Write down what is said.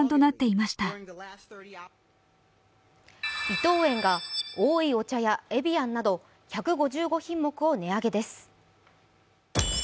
伊藤園が、おいお茶やエビアンなど１５５品目を値上げです。